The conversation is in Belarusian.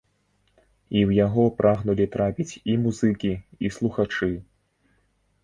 І ў яго прагнулі трапіць і музыкі, і слухачы.